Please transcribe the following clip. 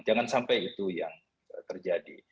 jangan sampai itu yang terjadi